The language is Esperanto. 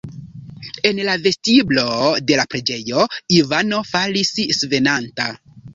En la vestiblo de la preĝejo Ivano falis svenanta.